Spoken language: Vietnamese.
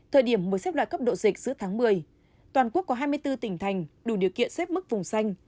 thời điểm mới xếp loại cấp độ dịch giữa tháng một mươi toàn quốc có hai mươi bốn tỉnh thành đủ điều kiện xếp mức vùng xanh